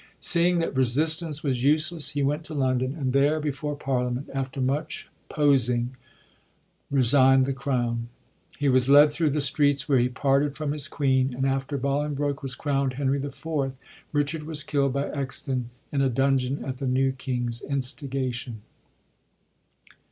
Seeing that resistance was useless, he went to London, and there before Parlia ment, after much posing, resignd the crown. He was led thru the streets, where he parted from his queen, and after Bolingbroke was crownd Henry IV., Richard was killd by Exton in a dungeon at the new king's instigation.